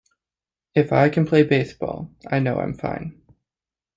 If I can play baseball, I know I'm fine.